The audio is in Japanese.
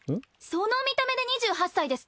その見た目で２８歳ですって！？